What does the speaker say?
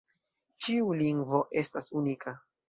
Ĉiu lingvo estas unika.